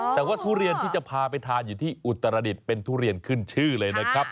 แต่ว่าทุเรียนที่จะพาไปทานอยู่ที่อุตรดิษฐ์เป็นทุเรียนขึ้นชื่อเลยนะครับ